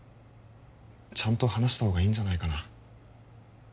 ちゃんと話したほうがいいんじゃないかな